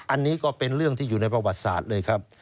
อันนี้ก็เป็นเรื่องที่อยู่ในประวัติศาสตร์เลยครับ